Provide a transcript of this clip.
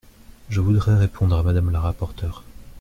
Je voudrais répondre à Madame la rapporteure.